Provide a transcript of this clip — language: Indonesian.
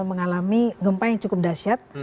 mengalami gempa yang cukup dasyat